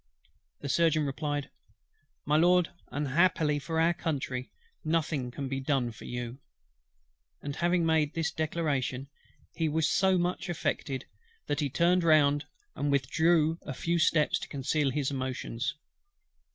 The Surgeon replied: "My Lord, unhappily for our Country, nothing can be done for you;" and having made this declaration he was so much affected, that he turned round and withdrew a few steps to conceal his emotions.